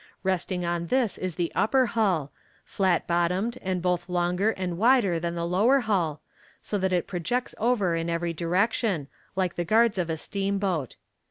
Resting on this is the upper hull, flat bottomed, and both longer and wider than the lower hull, so that it projects over in every direction, like the guards of a steamboat.